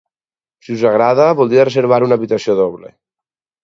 Si us agrada, voldria reservar una habitació doble.